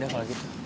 yaudah kalau gitu